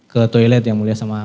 ke toilet yang mulia sama